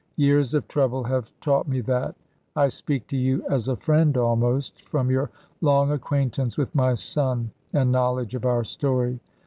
Years of trouble have taught me that. I speak to you as a friend almost, from your long acquaintance with my son, and knowledge of our story.